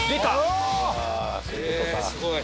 すごい！